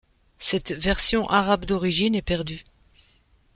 Cette version arabe d'origine est perdue.